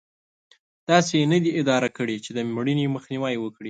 داسې یې نه دي اداره کړې چې د مړینې مخنیوی وکړي.